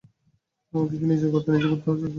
আমাকে কি নিজের গর্ত নিজেই খুড়তে বলছ?